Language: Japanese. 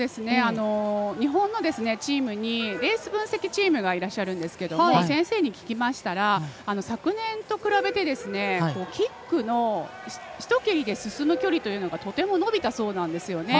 日本のチームにレース分析チームがいらっしゃるんですけれども先生に聞きましたら昨年と比べてキックのひと蹴りで進む距離というのがとても伸びたそうなんですよね。